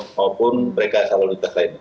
maupun berkas lalu lintas